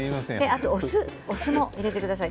それとお酢を入れてください。